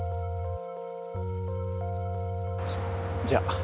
じゃあ。